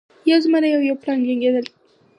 یو زمری او یو پړانګ جنګیدل.